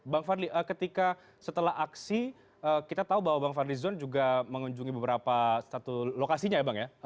bang fadli ketika setelah aksi kita tahu bahwa bang fadli zon juga mengunjungi beberapa satu lokasinya ya bang ya